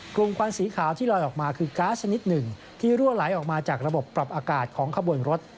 ควันสีขาวที่ลอยออกมาคือก๊าซชนิดหนึ่งที่รั่วไหลออกมาจากระบบปรับอากาศของขบวนรถ